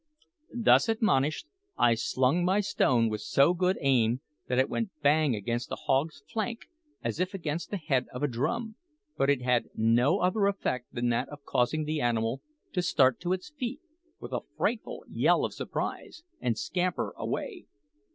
Thus admonished, I slung my stone with so good aim that it went bang against the hog's flank as if against the head of a drum; but it had no other effect than that of causing the animal to start to its feet, with a frightful yell of surprise, and scamper away.